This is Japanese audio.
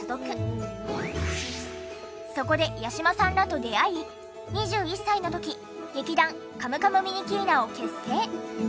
そこで八嶋さんらと出会い２１歳の時劇団カムカムミニキーナを結成。